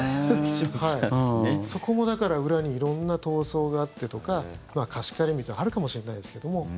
そこも、だから裏に色んな闘争があってとか貸し借りみたいなのがあるかもしれないですけども。